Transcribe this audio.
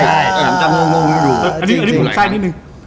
อันนี้ข้อให้ค่อยนิดนึง